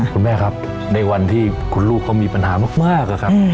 คุณแม่ครับในวันที่คุณลูกเขามีปัญหามากอะครับ